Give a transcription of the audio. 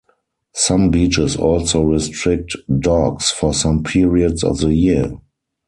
Some beaches also restrict dogs for some periods of the year.